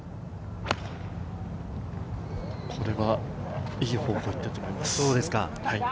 これはいい方向に行っていると思います。